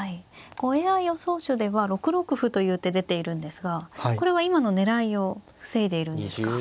ＡＩ予想手では６六歩という手出ているんですがこれは今の狙いを防いでいるんですか。